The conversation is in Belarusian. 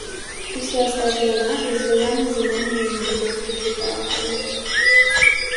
Усе астатнія назвы звязаны з імёнамі магілёўскіх літаратараў.